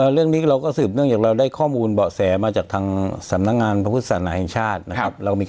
เรื่องนี้เราก็สืบเนื่องจากเราได้ข้อมูลเบาะแสมาจากทางสำนักงานพระพุทธศาสนาแห่งชาตินะครับ